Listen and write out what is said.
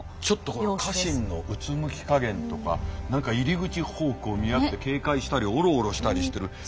ちょっとこれ家臣のうつむきかげんとか何か入り口方向を見やって警戒したりおろおろしたりしてる。